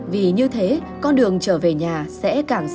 vì như thế con đường trở về nhà sẽ càng sớm